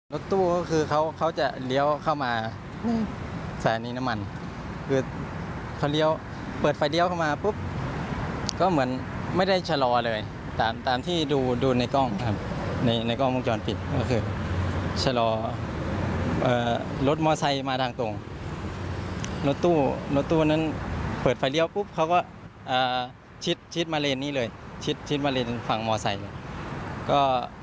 รถตู้ก็คือเขาเขาจะเลี้ยวเข้ามาสถานีน้ำมันคือเขาเลี้ยวเปิดไฟเลี้ยวเข้ามาปุ๊บก็เหมือนไม่ได้ชะลอเลยตามตามที่ดูในกล้องครับในในกล้องวงจรปิดก็คือชะลอรถมอไซค์มาทางตรงรถตู้รถตู้นั้นเปิดไฟเลี้ยวปุ๊บเขาก็ชิดชิดมาเลนนี้เลยชิดชิดมาเลนฝั่งมอไซค์เลยก็